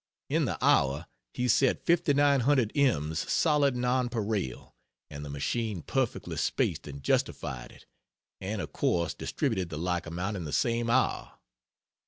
In the hour he set 5,900 ems solid nonpareil, and the machine perfectly spaced and justified it, and of course distributed the like amount in the same hour.